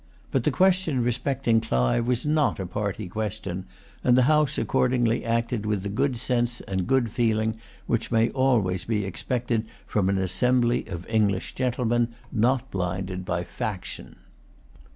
But the question respecting Clive was not a party question; and the House accordingly acted with the good sense and good feeling which may always be expected from an assembly of English gentlemen, not blinded by faction.